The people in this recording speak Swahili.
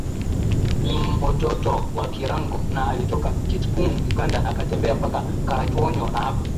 ni mototo wa Girango na alitoka KitgumUganda na akatembea mpaka Karachuonyo Na hapo